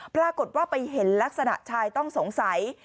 ปรากฏว่าไปเห็นลักษณะชายต้องสงสัย